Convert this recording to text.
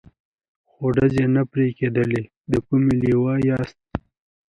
خو ډزې نه پرې کېدلې، د کومې لوا یاست؟